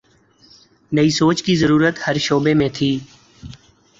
نئی سوچ کی ضرورت ہر شعبے میں تھی۔